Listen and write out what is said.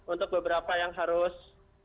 untuk beberapa yang harus